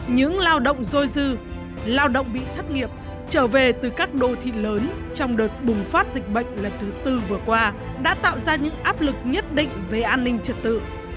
những lao động dôi dư lao động bị thất nghiệp trở về từ các đô thị lớn trong đợt bùng phát dịch bệnh lần thứ tư vừa qua đã tạo ra những áp lực nhất định về an ninh trật tự